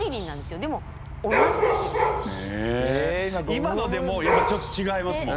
今のでもうやっぱちょっと違いますもん。